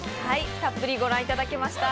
たっぷりご覧いただきました。